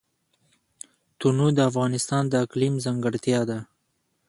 تنوع د افغانستان د اقلیم ځانګړتیا ده.